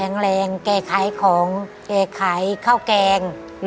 แข็งแรงแก่ไขของแก่ไขข้าวแกง